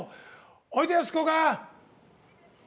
おいでやすこが！